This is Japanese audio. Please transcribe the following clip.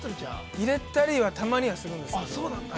◆いれたりは、たまにはするんですけど、はい。